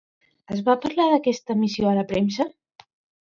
Es va parlar d'aquesta missió a la premsa?